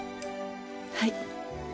はい。